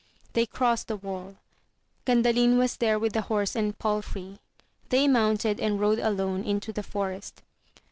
They crossed the wall; Gandalin was there with the horse and palfrey : they mounted and rode alone [into the forest.